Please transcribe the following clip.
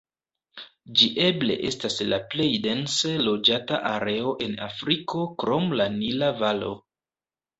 Ĝi eble estas la plej dense loĝata areo en Afriko krom la Nila Valo.